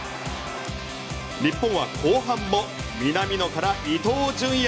日本は後半も南野から伊東純也。